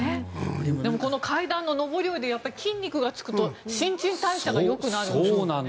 でもこの階段の上り下りで筋肉がつくと新陳代謝がよくなるんでしょうね。